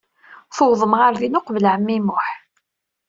Tuwḍem ɣer din uqbel ɛemmi Muḥ.